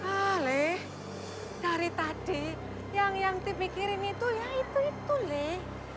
ah leh dari tadi yang angti pikirin itu ya itu itu leh